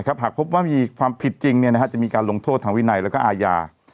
หากพบว่ามีความผิดจริงจะมีการลงโทษทางวินัยแล้วก็อาญา